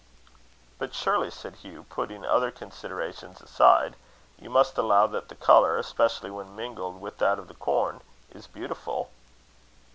"But surely," said Hugh, "putting other considerations aside, you must allow that the colour, especially when mingled with that of the corn, is beautiful."